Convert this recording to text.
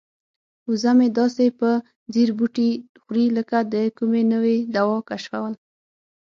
وزه مې داسې په ځیر بوټي خوري لکه د کومې نوې دوا کشفول.